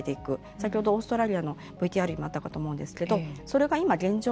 先ほど、オーストラリアのＶＴＲにもあったかと思うんですけどそれが今、現状